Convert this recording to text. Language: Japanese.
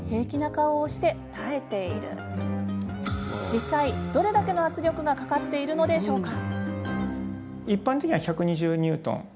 実際、どれだけの圧力がかかっているのでしょうか？